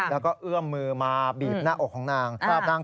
แล้วก็เอื้อมมือมาบีบหน้าอกของนาง